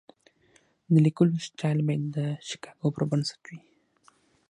د لیکلو سټایل باید د شیکاګو پر بنسټ وي.